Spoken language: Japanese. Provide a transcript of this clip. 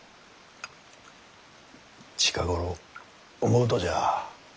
近頃思うとじゃ。